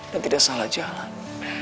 dan tidak salah jalan